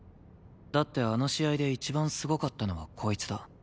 だってあの試合で一番すごかったのはこいつだ。